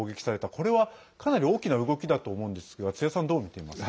これは、かなり大きな動きだと思うんですが津屋さん、どう見ていますか？